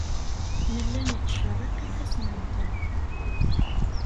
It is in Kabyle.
Nella nettcerriq ifassen-nteɣ.